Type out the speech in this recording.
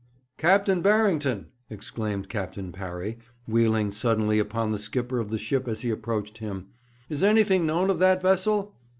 'Captain Barrington,' exclaimed Captain Parry, wheeling suddenly upon the skipper of the ship as he approached him, 'is anything known of that vessel?'